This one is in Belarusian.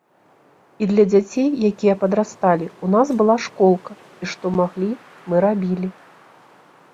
І для дзяцей, якія падрасталі, у нас была школка, і што маглі, мы рабілі.